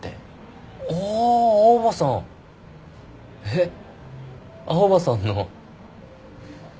えっ青羽さんの。